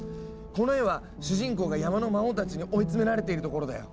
この絵は主人公が山の魔王たちに追い詰められているところだよ。